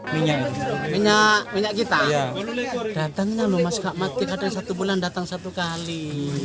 minyak minyak kita datangnya loh mas gak mati kadang satu bulan datang satu kali